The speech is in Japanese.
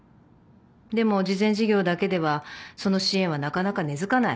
でも慈善事業だけではその支援はなかなか根付かない。